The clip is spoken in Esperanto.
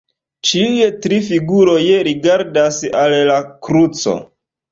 Ĉiuj tri figuroj rigardas al la kruco.